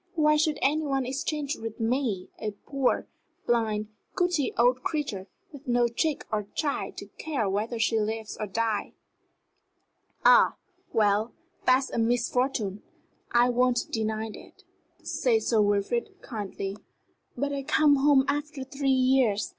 "Why should any one exchange with me a poor, blind, gouty old creature, with no chick or child to care whether she lives or dies?" "Ah, well, that's a misfortune I won't deny that," said Sir Wilfrid, kindly. "But I come home after three years.